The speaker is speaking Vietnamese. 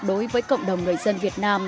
đối với cộng đồng người dân việt nam